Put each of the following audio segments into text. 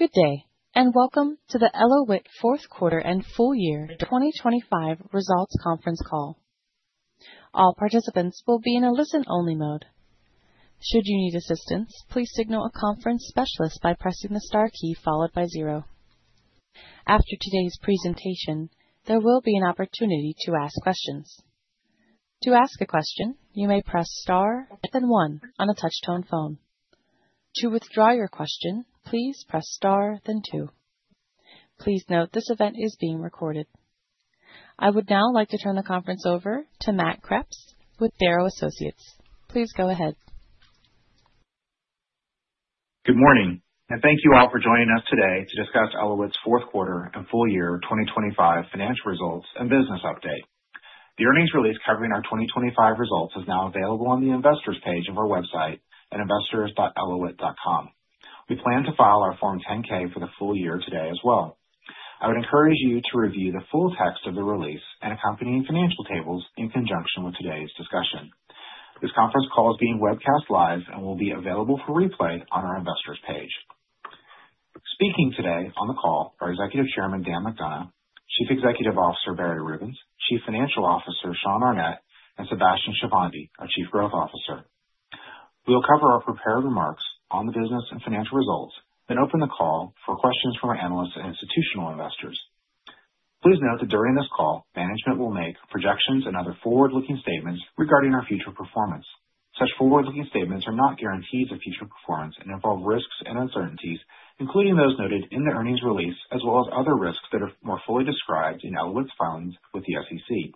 Good day, and welcome to the Elauwit fourth quarter and full year 2025 results conference call. All participants will be in a listen-only mode. Should you need assistance, please signal a conference specialist by pressing the Star key followed by zero. After today's presentation, there will be an opportunity to ask questions. To ask a question, you may press Star then one on a touch-tone phone. To withdraw your question, please press Star then two. Please note this event is being recorded. I would now like to turn the conference over to Matt Kreps with Darrow Associates. Please go ahead. Good morning, and thank you all for joining us today to discuss Elauwit's fourth quarter and full year 2025 financial results and business update. The earnings release covering our 2025 results is now available on the investors page of our website at investors.elauwit.com. We plan to file our Form 10-K for the full year today as well. I would encourage you to review the full text of the release and accompanying financial tables in conjunction with today's discussion. This conference call is being webcast live and will be available for replay on our investors page. Speaking today on the call are Executive Chairman Dan McDonough, Chief Executive Officer Barry Rubens, Chief Financial Officer Sean Arnette, and Sebastian Shahvandi, our Chief Growth Officer. We will cover our prepared remarks on the business and financial results, then open the call for questions from our analysts and institutional investors. Please note that during this call, management will make projections and other forward-looking statements regarding our future performance. Such forward-looking statements are not guarantees of future performance and involve risks and uncertainties, including those noted in the earnings release, as well as other risks that are more fully described in Elauwit's filings with the SEC.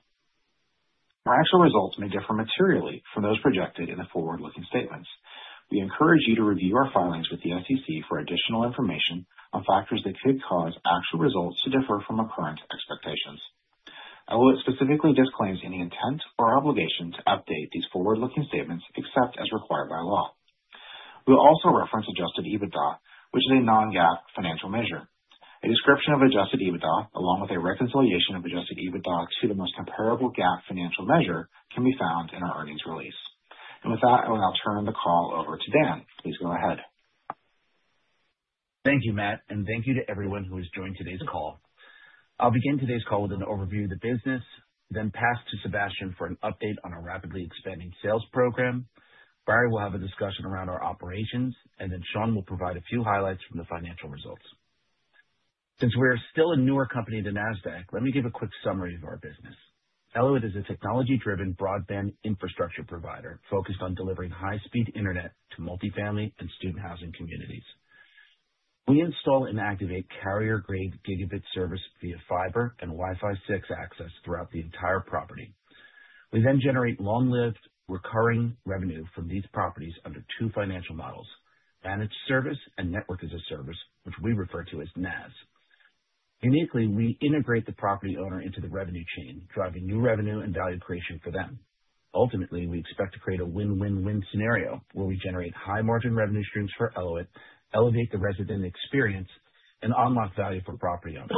Our actual results may differ materially from those projected in the forward-looking statements. We encourage you to review our filings with the SEC for additional information on factors that could cause actual results to differ from our current expectations. Elauwit specifically disclaims any intent or obligation to update these forward-looking statements except as required by law. We'll also reference adjusted EBITDA, which is a non-GAAP financial measure. A description of adjusted EBITDA, along with a reconciliation of adjusted EBITDA to the most comparable GAAP financial measure, can be found in our earnings release. With that, I will now turn the call over to Dan. Please go ahead. Thank you, Matt, and thank you to everyone who has joined today's call. I'll begin today's call with an overview of the business, then pass to Sebastian for an update on our rapidly expanding sales program. Barry will have a discussion around our operations, and then Sean will provide a few highlights from the financial results. Since we are still a newer company to Nasdaq, let me give a quick summary of our business. Elauwit is a technology-driven broadband infrastructure provider focused on delivering high-speed internet to multifamily and student housing communities. We install and activate carrier-grade gigabit service via fiber and Wi-Fi 6 access throughout the entire property. We then generate long-lived recurring revenue from these properties under two financial models: managed service and network as a service, which we refer to as NaaS. Uniquely, we integrate the property owner into the revenue chain, driving new revenue and value creation for them. Ultimately, we expect to create a win-win-win scenario where we generate high margin revenue streams for Elauwit, elevate the resident experience, and unlock value for property owners.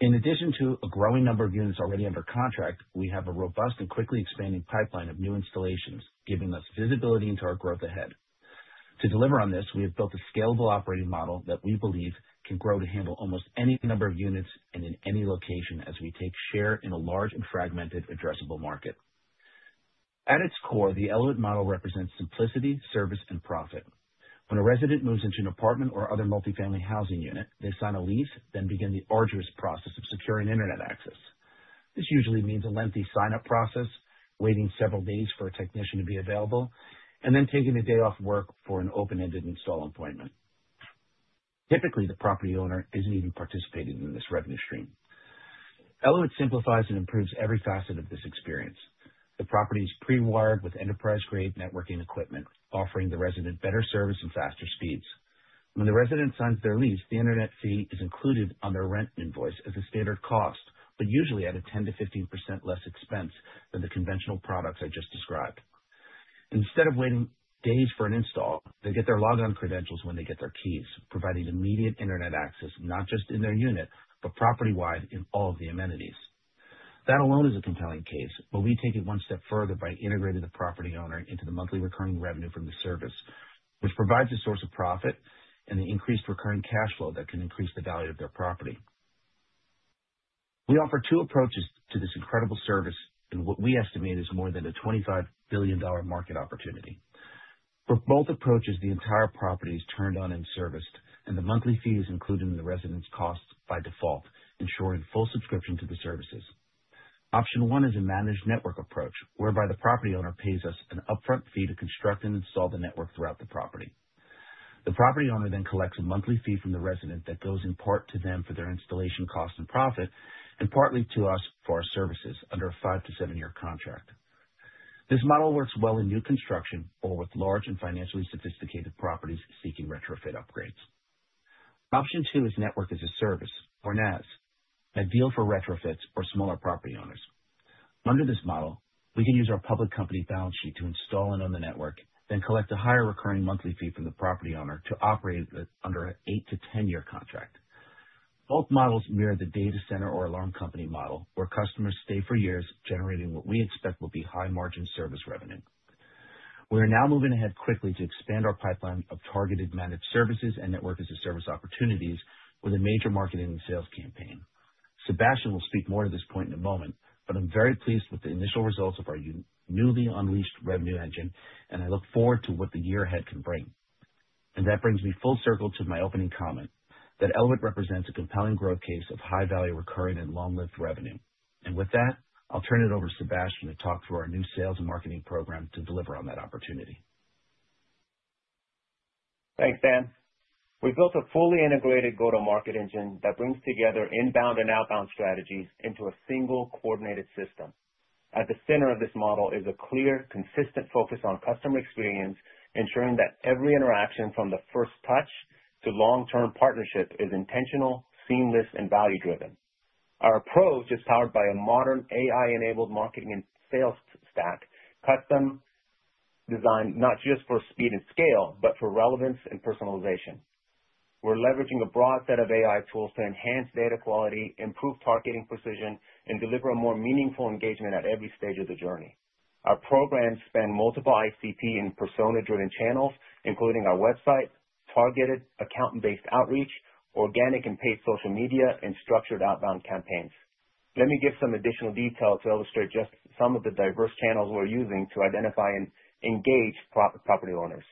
In addition to a growing number of units already under contract, we have a robust and quickly expanding pipeline of new installations, giving us visibility into our growth ahead. To deliver on this, we have built a scalable operating model that we believe can grow to handle almost any number of units and in any location as we take share in a large and fragmented addressable market. At its core, the Elauwit model represents simplicity, service, and profit. When a resident moves into an apartment or other multifamily housing unit, they sign a lease, then begin the arduous process of securing internet access. This usually means a lengthy sign-up process, waiting several days for a technician to be available, and then taking a day off work for an open-ended install appointment. Typically, the property owner isn't even participating in this revenue stream. Elauwit simplifies and improves every facet of this experience. The property is pre-wired with enterprise-grade networking equipment, offering the resident better service and faster speeds. When the resident signs their lease, the internet fee is included on their rent invoice as a standard cost, but usually at a 10%-15% less expense than the conventional products I just described. Instead of waiting days for an install, they get their logon credentials when they get their keys, providing immediate internet access, not just in their unit, but property-wide in all of the amenities. That alone is a compelling case, but we take it one step further by integrating the property owner into the monthly recurring revenue from the service, which provides a source of profit and the increased recurring cash flow that can increase the value of their property. We offer two approaches to this incredible service in what we estimate is more than a $25 billion market opportunity. For both approaches, the entire property is turned on and serviced, and the monthly fee is included in the resident's cost by default, ensuring full subscription to the services. Option 1 is a managed network approach, whereby the property owner pays us an upfront fee to construct and install the network throughout the property. The property owner then collects a monthly fee from the resident that goes in part to them for their installation cost and profit, and partly to us for our services under a five to seven-year contract. This model works well in new construction or with large and financially sophisticated properties seeking retrofit upgrades. Option 2 is Network as a Service or NaaS, ideal for retrofits or smaller property owners. Under this model, we can use our public company balance sheet to install and own the network, then collect a higher recurring monthly fee from the property owner to operate under an eight to 10-year contract. Both models mirror the data center or alarm company model, where customers stay for years generating what we expect will be high-margin service revenue. We are now moving ahead quickly to expand our pipeline of targeted managed services and Network as a Service opportunities with a major marketing and sales campaign. Sebastian will speak more to this point in a moment, but I'm very pleased with the initial results of our newly unleashed revenue engine. I look forward to what the year ahead can bring. That brings me full circle to my opening comment, that Elauwit represents a compelling growth case of high-value recurring and long-lived revenue. With that, I'll turn it over to Sebastian to talk through our new sales and marketing program to deliver on that opportunity. Thanks, Dan. We built a fully integrated go-to-market engine that brings together inbound and outbound strategies into a single coordinated system. At the center of this model is a clear, consistent focus on customer experience, ensuring that every interaction from the first touch to long-term partnership is intentional, seamless, and value-driven. Our approach is powered by a modern AI-enabled marketing and sales stack, custom designed not just for speed and scale, but for relevance and personalization. We're leveraging a broad set of AI tools to enhance data quality, improve targeting precision, and deliver a more meaningful engagement at every stage of the journey. Our programs span multiple ICP and persona-driven channels, including our website, targeted account-based outreach, organic and paid social media, and structured outbound campaigns. Let me give some additional detail to illustrate just some of the diverse channels we're using to identify and engage property owners.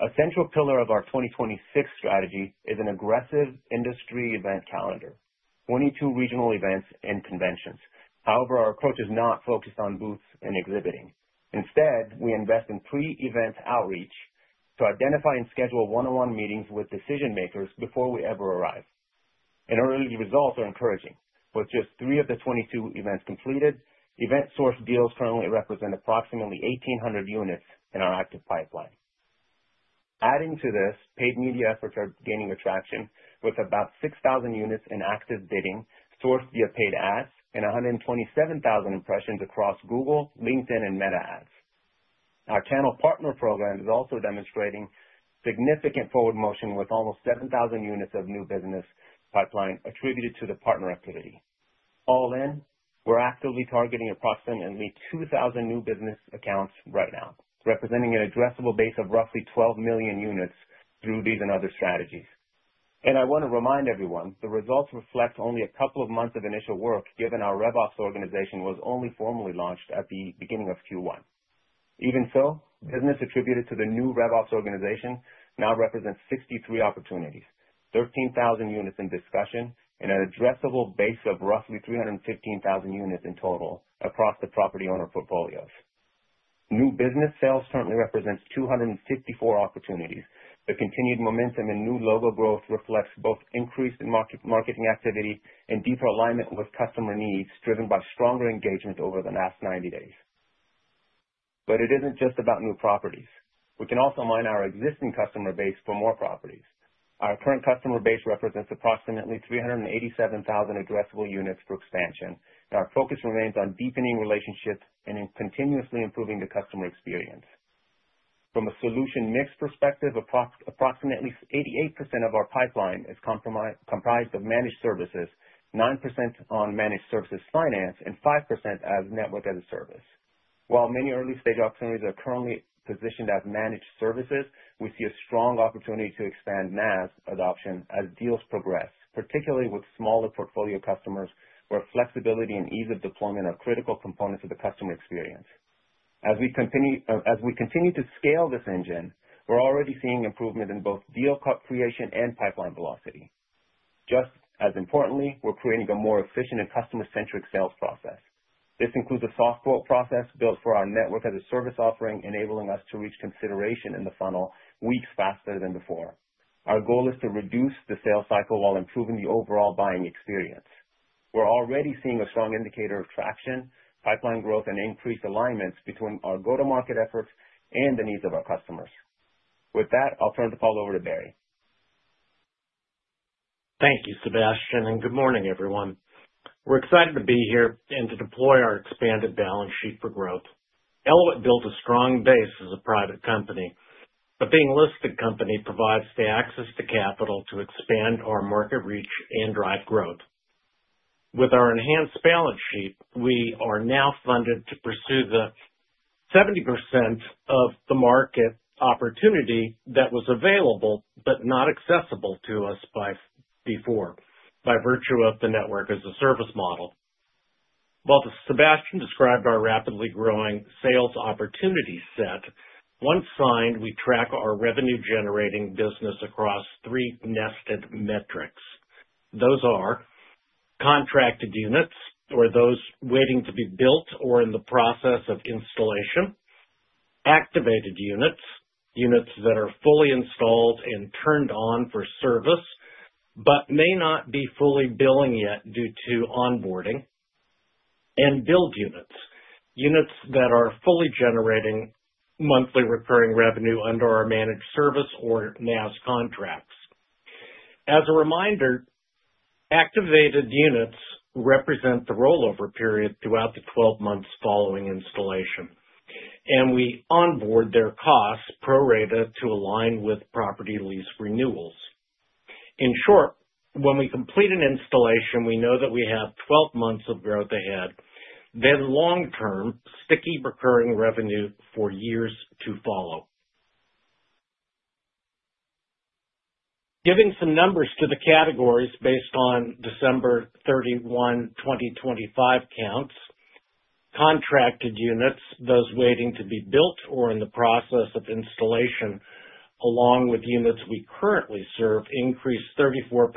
A central pillar of our 2026 strategy is an aggressive industry event calendar, 22 regional events and conventions. However, our approach is not focused on booths and exhibiting. Instead, we invest in pre-event outreach to identify and schedule one-on-one meetings with decision-makers before we ever arrive, and early results are encouraging. With just three of the 22 events completed, event source deals currently represent approximately 1,800 units in our active pipeline. Adding to this, paid media efforts are gaining traction with about 6,000 units in active bidding sourced via paid ads and 127,000 impressions across Google, LinkedIn, and Meta ads. Our channel partner program is also demonstrating significant forward motion with almost 7,000 units of new business pipeline attributed to the partner activity. All in, we're actively targeting approximately 2,000 new business accounts right now, representing an addressable base of roughly 12 million units through these and other strategies. I want to remind everyone the results reflect only a couple of months of initial work, given our RevOps organization was only formally launched at the beginning of Q1. Even so, business attributed to the new RevOps organization now represents 63 opportunities, 13,000 units in discussion, and an addressable base of roughly 315,000 units in total across the property owner portfolios. New business sales currently represents 254 opportunities. The continued momentum in new logo growth reflects both increased marketing activity and deeper alignment with customer needs, driven by stronger engagement over the last 90 days. It isn't just about new properties. We can also mine our existing customer base for more properties. Our current customer base represents approximately 387,000 addressable units for expansion. Our focus remains on deepening relationships and in continuously improving the customer experience. From a solution mix perspective, approximately 88% of our pipeline is comprised of managed services, 9% on managed services finance, and 5% as Network as a Service. While many early-stage opportunities are currently positioned as managed services, we see a strong opportunity to expand NaaS adoption as deals progress, particularly with smaller portfolio customers where flexibility and ease of deployment are critical components of the customer experience. As we continue to scale this engine, we're already seeing improvement in both deal creation and pipeline velocity. Just as importantly, we're creating a more efficient and customer-centric sales process. This includes a soft quote process built for our Network as a Service offering, enabling us to reach consideration in the funnel weeks faster than before. Our goal is to reduce the sales cycle while improving the overall buying experience. We're already seeing a strong indicator of traction, pipeline growth, and increased alignments between our go-to-market efforts and the needs of our customers. With that, I'll turn the call over to Barry. Thank you, Sebastian, and good morning, everyone. We're excited to be here and to deploy our expanded balance sheet for growth. Elauwit built a strong base as a private company, being a listed company provides the access to capital to expand our market reach and drive growth. With our enhanced balance sheet, we are now funded to pursue the 70% of the market opportunity that was available but not accessible to us before, by virtue of the Network as a Service model. While Sebastian described our rapidly growing sales opportunity set, once signed, we track our revenue-generating business across three nested metrics. Those are contracted units or those waiting to be built or in the process of installation; activated units that are fully installed and turned on for service but may not be fully billing yet due to onboarding; and billed units that are fully generating monthly recurring revenue under our managed service or NaaS contracts. As a reminder, activated units represent the rollover period throughout the 12 months following installation. We onboard their costs pro rata to align with property lease renewals. In short, when we complete an installation, we know that we have 12 months of growth ahead, then long-term, sticky, recurring revenue for years to follow. Giving some numbers to the categories based on December 31, 2025 counts. Contracted units, those waiting to be built or in the process of installation, along with units we currently serve, increased 34%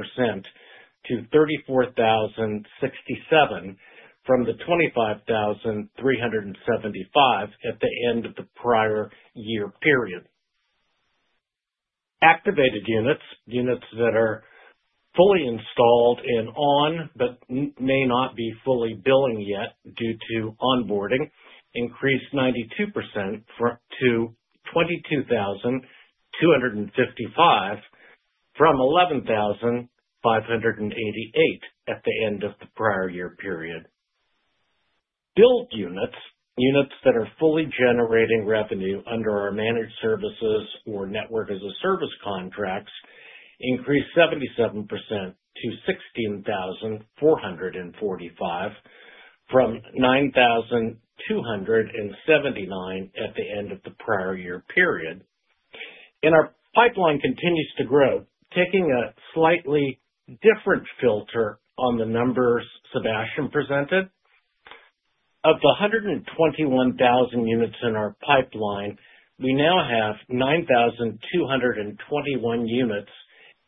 to 34,067 from the 25,375 at the end of the prior year period. Activated units that are fully installed and on but may not be fully billing yet due to onboarding, increased 92% to 22,255 from 11,588 at the end of the prior year period. Billed units that are fully generating revenue under our managed services or network as a service contracts, increased 77% to 16,445 from 9,279 at the end of the prior year period. Our pipeline continues to grow, taking a slightly different filter on the numbers Sebastian presented. Of the 121,000 units in our pipeline, we now have 9,221 units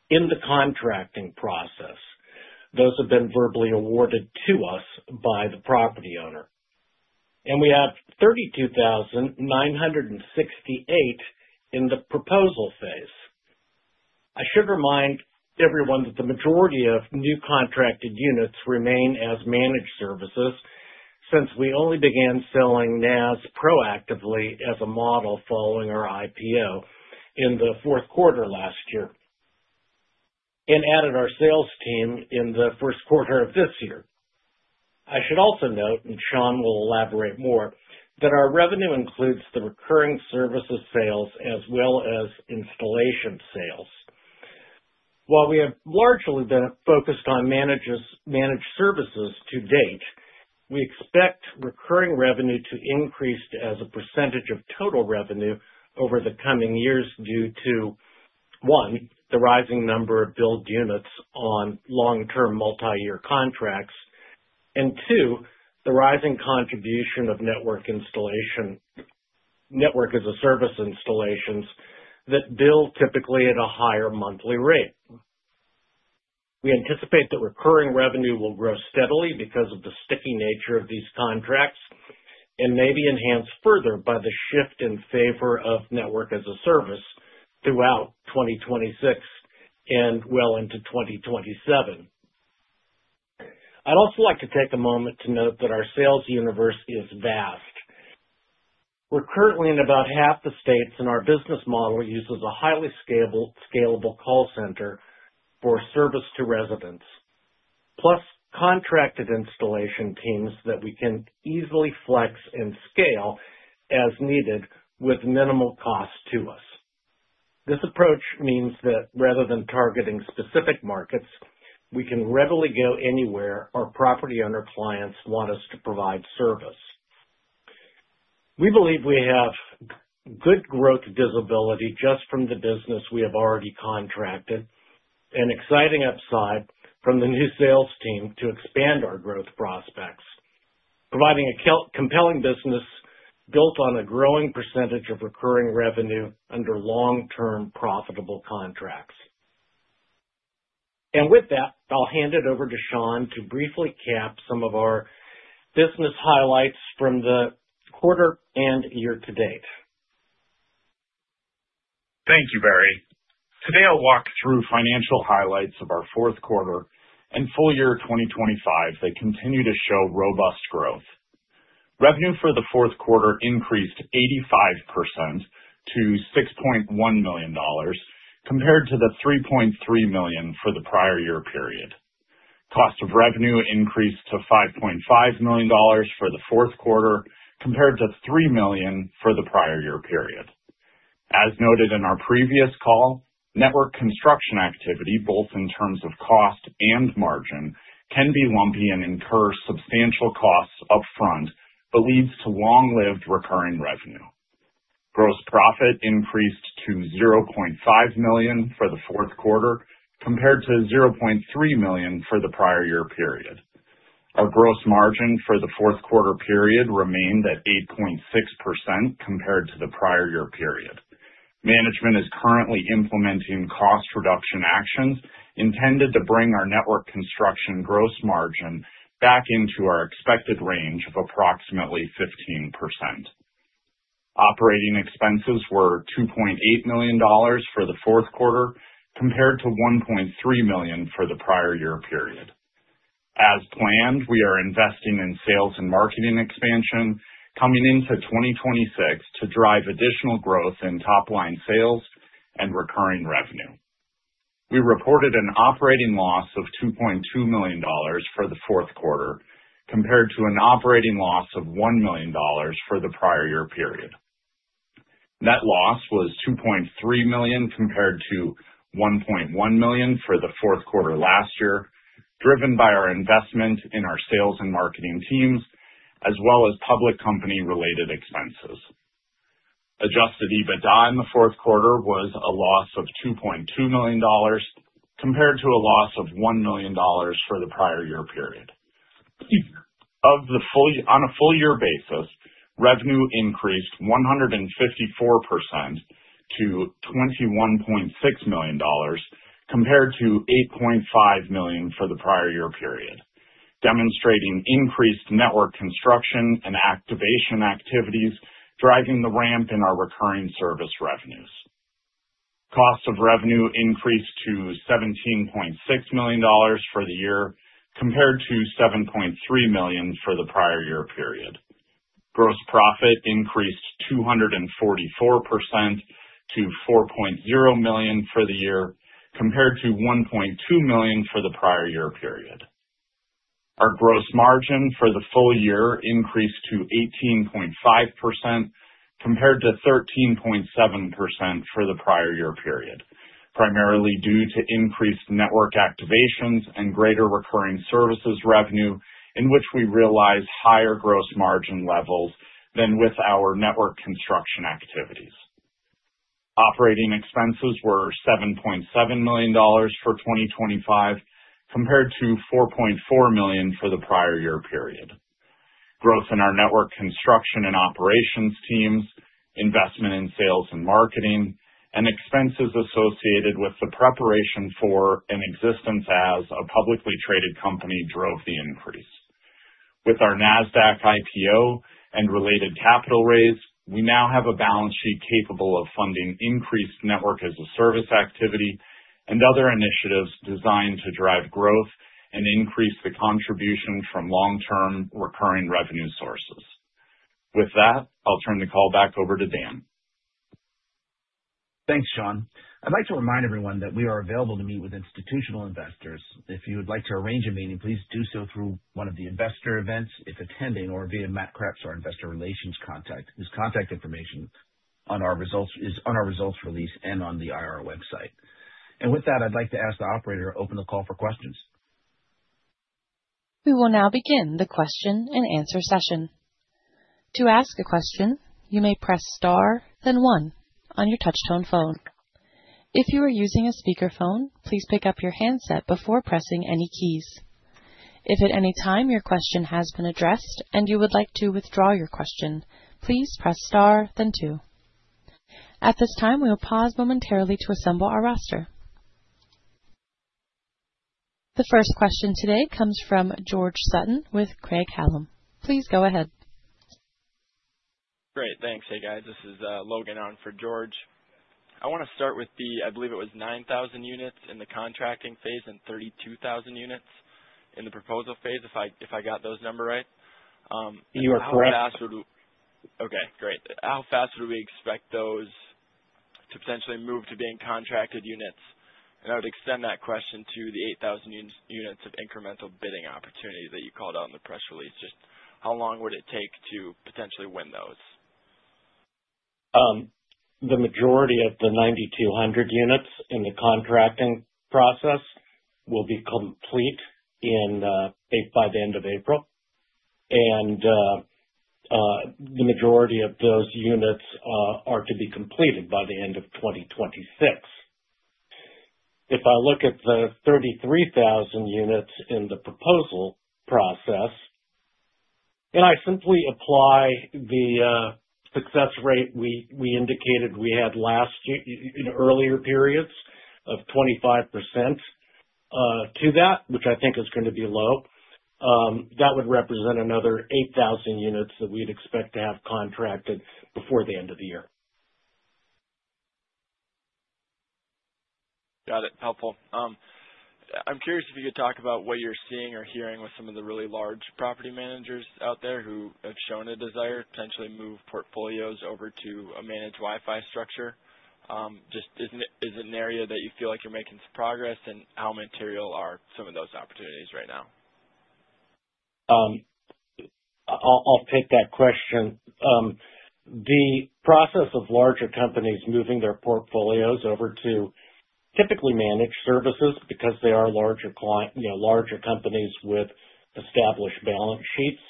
in the contracting process. Those have been verbally awarded to us by the property owner. We have 32,968 in the proposal phase. I should remind everyone that the majority of new contracted units remain as managed services since we only began selling NaaS proactively as a model following our IPO in the fourth quarter last year and added our sales team in the first quarter of this year. I should also note, Sean will elaborate more, that our revenue includes the recurring services sales as well as installation sales. While we have largely been focused on managed services to date, we expect recurring revenue to increase as a percentage of total revenue over the coming years due to, 1, the rising number of build units on long-term multi-year contracts, and 2, the rising contribution of network installation, network as a service installations that bill typically at a higher monthly rate. We anticipate that recurring revenue will grow steadily because of the sticky nature of these contracts and may be enhanced further by the shift in favor of network as a service throughout 2026 and well into 2027. I'd also like to take a moment to note that our sales universe is vast. We're currently in about half the states, and our business model uses a highly scalable call center for service to residents, plus contracted installation teams that we can easily flex and scale as needed with minimal cost to us. This approach means that rather than targeting specific markets, we can readily go anywhere our property owner clients want us to provide service. We believe we have good growth visibility just from the business we have already contracted, an exciting upside from the new sales team to expand our growth prospects, providing a compelling business built on a growing percentage of recurring revenue under long-term profitable contracts. With that, I'll hand it over to Sean to briefly cap some of our business highlights from the quarter and year to date. Thank you, Barry. Today, I'll walk through financial highlights of our fourth quarter and full year 2025 that continue to show robust growth. Revenue for the fourth quarter increased 85% to $6.1 million, compared to the $3.3 million for the prior year period. Cost of revenue increased to $5.5 million for the fourth quarter, compared to $3 million for the prior year period. As noted in our previous call, network construction activity, both in terms of cost and margin, can be lumpy and incur substantial costs upfront, but leads to long-lived recurring revenue. Gross profit increased to $0.5 million for the fourth quarter, compared to $0.3 million for the prior year period. Our gross margin for the fourth quarter period remained at 8.6% compared to the prior year period. Management is currently implementing cost reduction actions intended to bring our network construction gross margin back into our expected range of approximately 15%. Operating expenses were $2.8 million for the fourth quarter, compared to $1.3 million for the prior year period. As planned, we are investing in sales and marketing expansion coming into 2026 to drive additional growth in top-line sales and recurring revenue. We reported an operating loss of $2.2 million for the fourth quarter, compared to an operating loss of $1 million for the prior year period. Net loss was $2.3 million compared to $1.1 million for the fourth quarter last year, driven by our investment in our sales and marketing teams, as well as public company-related expenses. Adjusted EBITDA in the fourth quarter was a loss of $2.2 million, compared to a loss of $1 million for the prior year period. On a full year basis, revenue increased 154% to $21.6 million, compared to $8.5 million for the prior year period, demonstrating increased network construction and activation activities, driving the ramp in our recurring service revenues. Cost of revenue increased to $17.6 million for the year, compared to $7.3 million for the prior year period. Gross profit increased 244% to $4.0 million for the year, compared to $1.2 million for the prior year period. Our gross margin for the full year increased to 18.5%, compared to 13.7% for the prior year period, primarily due to increased network activations and greater recurring services revenue, in which we realized higher gross margin levels than with our network construction activities. Operating expenses were $7.7 million for 2025, compared to $4.4 million for the prior year period. Growth in our network construction and operations teams, investment in sales and marketing, and expenses associated with the preparation for, and existence as, a publicly traded company drove the increase. With our Nasdaq IPO and related capital raise, we now have a balance sheet capable of funding increased network as a service activity and other initiatives designed to drive growth and increase the contribution from long-term recurring revenue sources. With that, I'll turn the call back over to Dan. Thanks, Sean Arnette. I'd like to remind everyone that we are available to meet with institutional investors. If you would like to arrange a meeting, please do so through one of the investor events, if attending, or via Matt Kreps, our investor relations contact. His contact information is on our results release and on the IR website. With that, I'd like to ask the operator to open the call for questions. We will now begin the question and answer session. To ask a question, you may press Star, then one on your touchtone phone. If you are using a speakerphone, please pick up your handset before pressing any keys. If at any time your question has been addressed and you would like to withdraw your question, please press Star then two. At this time, we will pause momentarily to assemble our roster. The first question today comes from George Sutton with Craig-Hallum. Please go ahead. Great. Thanks. Hey, guys, this is Logan on for George. I want to start with the, I believe it was 9,000 units in the contracting phase and 32,000 units in the proposal phase, if I got those number right. You are correct. Okay, great. How fast would we expect those to potentially move to being contracted units? I would extend that question to the 8,000 units of incremental bidding opportunity that you called out in the press release. How long would it take to potentially win those? The majority of the 9,200 units in the contracting process will be complete by the end of April. The majority of those units are to be completed by the end of 2026. If I look at the 33,000 units in the proposal process and I simply apply the success rate we indicated we had in earlier periods of 25% to that, which I think is going to be low, that would represent another 8,000 units that we'd expect to have contracted before the end of the year. Got it. Helpful. I'm curious if you could talk about what you're seeing or hearing with some of the really large property managers out there who have shown a desire to potentially move portfolios over to a managed Wi-Fi structure. Is it an area that you feel like you're making some progress, and how material are some of those opportunities right now? I'll take that question. The process of larger companies moving their portfolios over to typically managed services because they are larger companies with established balance sheets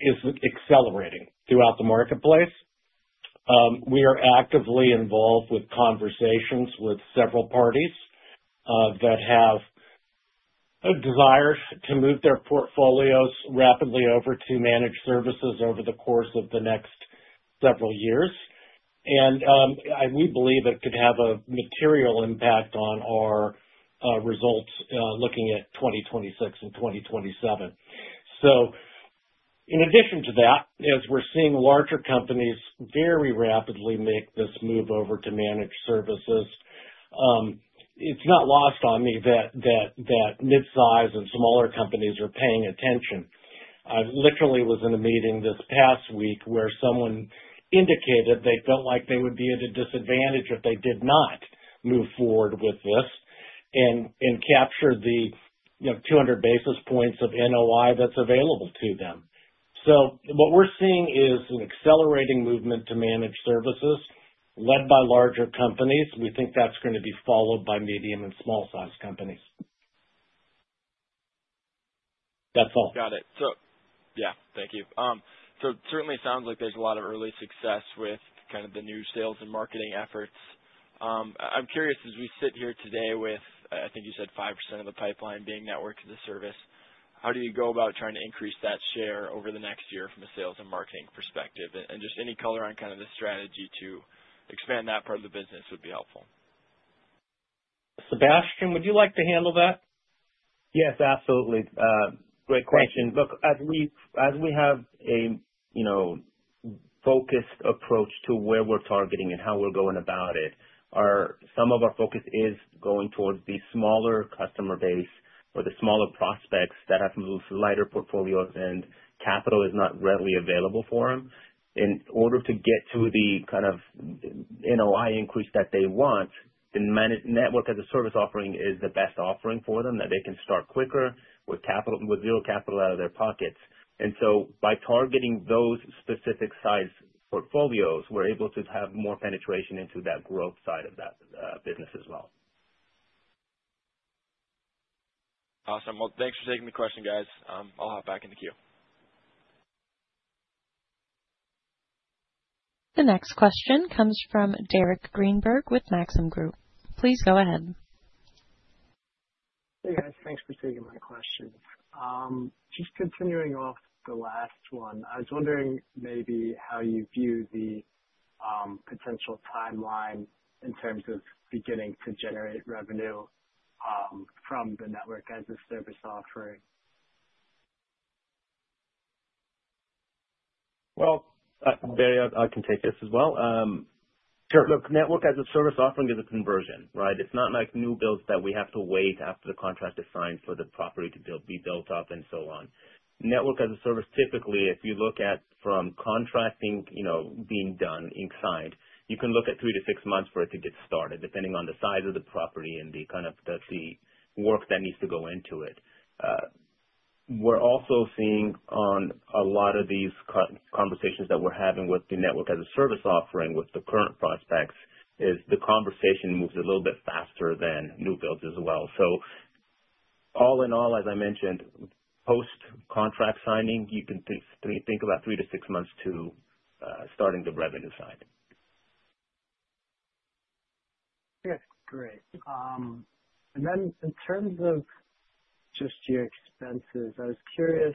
is accelerating throughout the marketplace. We are actively involved with conversations with several parties that have a desire to move their portfolios rapidly over to managed services over the course of the next several years. We believe it could have a material impact on our results looking at 2026 and 2027. In addition to that, as we're seeing larger companies very rapidly make this move over to managed services, it's not lost on me that mid-size and smaller companies are paying attention. I literally was in a meeting this past week where someone indicated they felt like they would be at a disadvantage if they did not move forward with this and capture the 200 basis points of NOI that's available to them. What we're seeing is an accelerating movement to managed services led by larger companies. We think that's going to be followed by medium and small-sized companies. That's all. Got it. Yeah, thank you. It certainly sounds like there's a lot of early success with the new sales and marketing efforts. I'm curious, as we sit here today with, I think you said 5% of the pipeline being NaaS, how do you go about trying to increase that share over the next year from a sales and marketing perspective? Just any color on the strategy to expand that part of the business would be helpful. Sebastian, would you like to handle that? Yes, absolutely. Great question. Look, as we have a focused approach to where we're targeting and how we're going about it, some of our focus is going towards the smaller customer base or the smaller prospects that have lighter portfolios and capital is not readily available for them. In order to get to the kind of NOI increase that they want, the Network as a Service offering is the best offering for them, that they can start quicker with zero capital out of their pockets. By targeting those specific size portfolios, we're able to have more penetration into that growth side of that business as well. Awesome. Well, thanks for taking the question, guys. I'll hop back in the queue. The next question comes from Derek Greenberg with Maxim Group. Please go ahead. Hey, guys. Thanks for taking my questions. Just continuing off the last one, I was wondering maybe how you view the potential timeline in terms of beginning to generate revenue from the Network as a Service offering. Well, Barry, I can take this as well. Sure. Look, network as a service offering is a conversion, right? It's not like new builds that we have to wait after the contract is signed for the property to be built up and so on. Network as a service, typically, if you look at from contracting being done, being signed, you can look at three to six months for it to get started, depending on the size of the property and the work that needs to go into it. We're also seeing on a lot of these conversations that we're having with the network as a service offering with the current prospects is the conversation moves a little bit faster than new builds as well. All in all, as I mentioned, post contract signing, you can think about three to six months to starting the revenue side. Yeah, great. Then in terms of just your expenses, I was curious,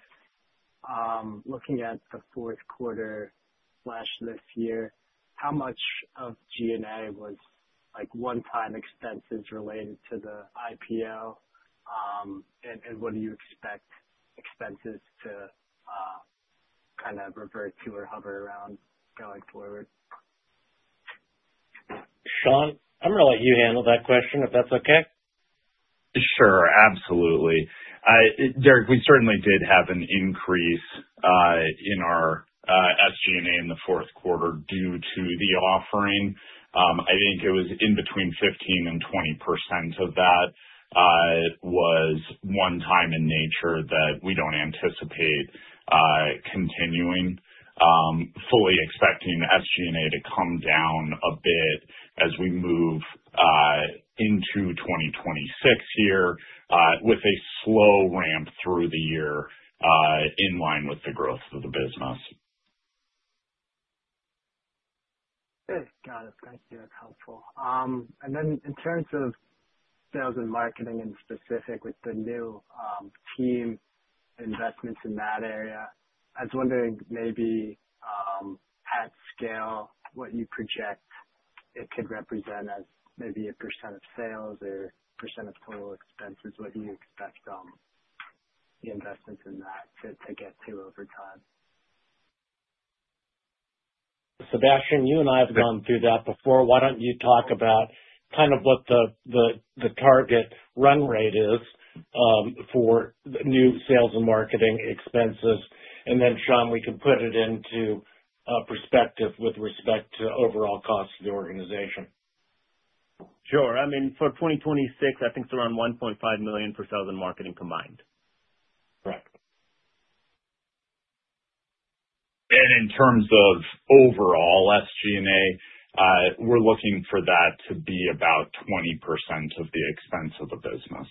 looking at the fourth quarter/this year, how much of G&A was one-time expenses related to the IPO? What do you expect expenses to refer to or hover around going forward? Sean, I'm going to let you handle that question, if that's okay. Sure, absolutely. Derek, we certainly did have an increase in our SG&A in the fourth quarter due to the offering. I think it was in between 15% and 20% of that was one time in nature that we don't anticipate continuing. Fully expecting SG&A to come down a bit as we move into 2026 here, with a slow ramp through the year in line with the growth of the business. Got it. Thank you, that's helpful. In terms of sales and marketing in specific with the new team investments in that area, I was wondering maybe at scale, what you project it could represent as maybe a % of sales or % of total expenses. What do you expect from the investments in that to get to over time? Sebastian, you and I have gone through that before. Why don't you talk about what the target run rate is for new sales and marketing expenses, Sean, we can put it into perspective with respect to overall cost of the organization. Sure. For 2026, I think it's around $1.5 million for sales and marketing combined. Correct. In terms of overall SG&A, we're looking for that to be about 20% of the expense of the business.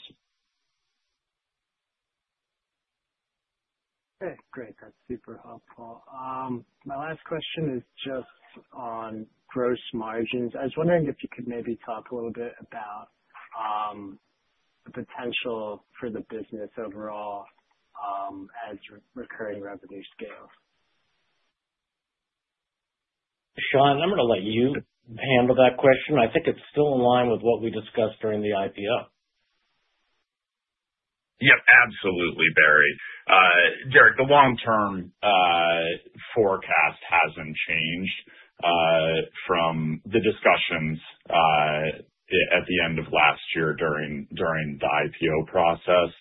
Great. That's super helpful. My last question is just on gross margins. I was wondering if you could maybe talk a little bit about the potential for the business overall as recurring revenue scales. Sean, I'm going to let you handle that question. I think it's still in line with what we discussed during the IPO. Yep, absolutely, Barry. Derek, the long-term forecast hasn't changed from the discussions at the end of last year during the IPO process.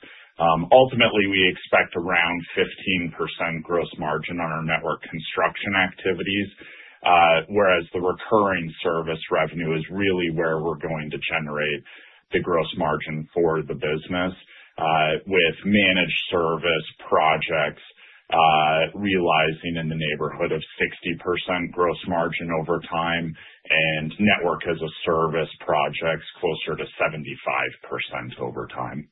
Ultimately, we expect around 15% gross margin on our network construction activities, whereas the recurring service revenue is really where we're going to generate the gross margin for the business. With managed service projects, realizing in the neighborhood of 60% gross margin over time and network-as-a-service projects closer to 75% over time.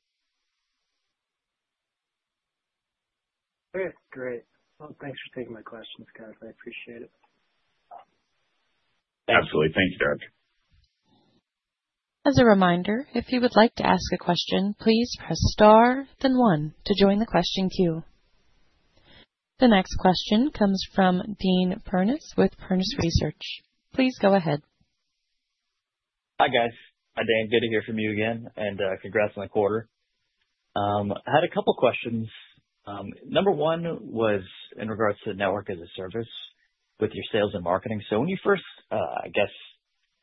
Great. Well, thanks for taking my questions, guys. I appreciate it. Absolutely. Thank you, Derek. As a reminder, if you would like to ask a question, please press Star then one to join the question queue. The next question comes from Daniel Parnes with Parnes Research. Please go ahead. Hi, guys. Dan, good to hear from you again and congrats on the quarter. I had a couple questions. Number one was in regards to Network-as-a-Service with your sales and marketing. When you first, I guess,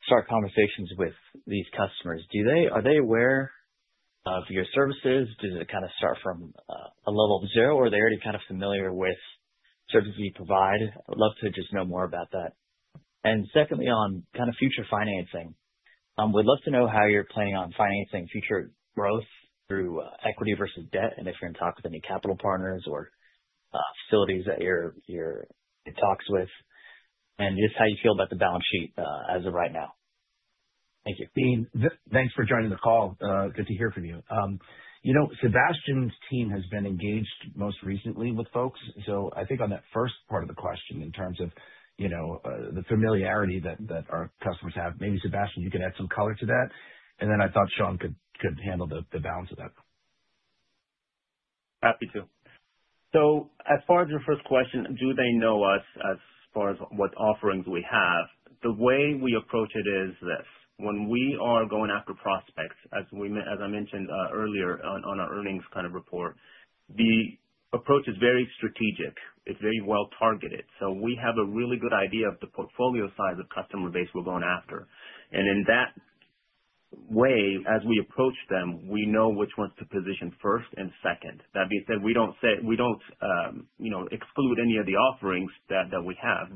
start conversations with these customers, are they aware of your services? Does it start from a level of 0 or are they already familiar with services you provide? I'd love to just know more about that. Secondly, on future financing. We'd love to know how you're planning on financing future growth through equity versus debt and if you're in talks with any capital partners or facilities that you're in talks with, and just how you feel about the balance sheet as of right now. Thank you. Dan, thanks for joining the call. Good to hear from you. Sebastian's team has been engaged most recently with folks. I think on that first part of the question in terms of the familiarity that our customers have, maybe Sebastian, you could add some color to that, and then I thought Sean could handle the balance of that. Happy to. As far as your first question, do they know us as far as what offerings we have? The way we approach it is this, when we are going after prospects, as I mentioned earlier on our earnings report, the approach is very strategic. It is very well targeted. We have a really good idea of the portfolio size of customer base we are going after. In that way, as we approach them, we know which ones to position first and second. That being said, we do not exclude any of the offerings that we have.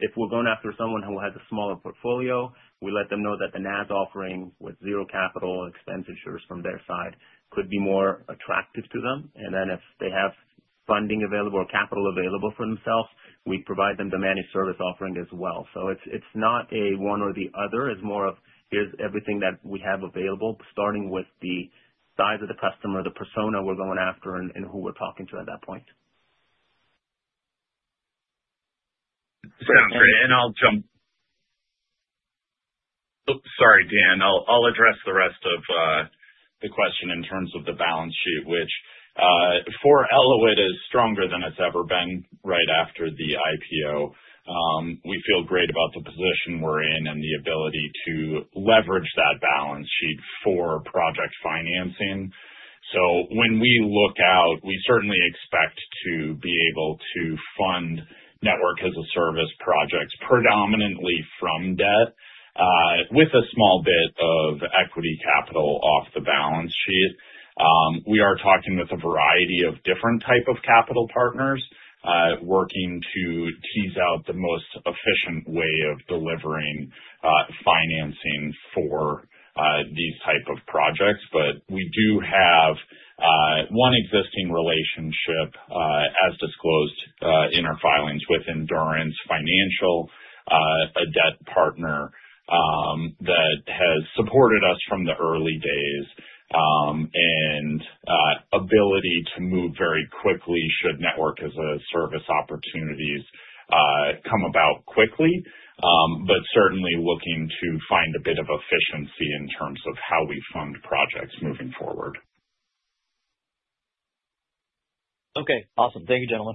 If we are going after someone who has a smaller portfolio, we let them know that the NaaS offering with zero capital expenditures from their side could be more attractive to them. Then if they have funding available or capital available for themselves, we provide them the managed service offering as well. It is not a one or the other. It is more of here's everything that we have available, starting with the size of the customer, the persona we are going after, and who we are talking to at that point. Sounds great. Sorry, Dan. I will address the rest of the question in terms of the balance sheet, which for Elauwit is stronger than it has ever been right after the IPO. We feel great about the position we are in and the ability to leverage that balance sheet for project financing. When we look out, we certainly expect to be able to fund network-as-a-service projects predominantly from debt, with a small bit of equity capital off the balance sheet. We are talking with a variety of different type of capital partners, working to tease out the most efficient way of delivering financing for these type of projects. We do have one existing relationship, as disclosed in our filings with Endurance Financial, a debt partner that has supported us from the early days, and ability to move very quickly should network-as-a-service opportunities come about quickly. Certainly looking to find a bit of efficiency in terms of how we fund projects moving forward. Okay, awesome. Thank you, gentlemen.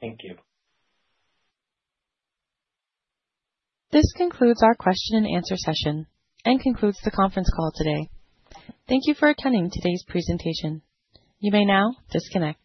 Thank you. This concludes our question and answer session and concludes the conference call today. Thank you for attending today's presentation. You may now disconnect.